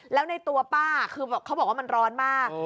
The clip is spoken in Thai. แล้วในตัวป้าคือเขาบอกว่ามันร้อนมาก